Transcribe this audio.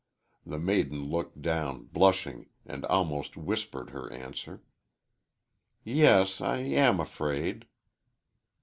_" The maiden looked down, blushing, and almost whispered her answer. "Yes; I am afraid."